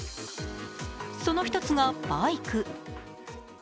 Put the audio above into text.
その一つがバイク。